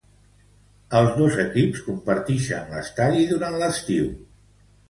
Els dos equips compartixen l'estadi durant l'estiu.